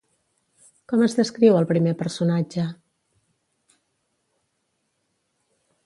Com es descriu al primer personatge?